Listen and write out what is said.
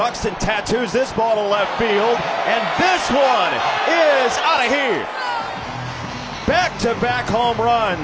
連続ホームラン！